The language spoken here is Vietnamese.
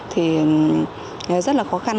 thì rất là khó khăn